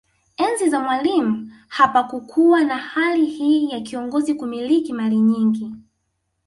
Enzi za Mwalimu hapakukuwa na hali hii ya kiongozi kumiliki mali nyingi